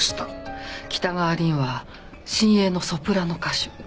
北川凛は新鋭のソプラノ歌手。